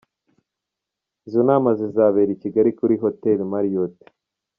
Izo nama zizabera i Kigali kuri Hoteli Marriot.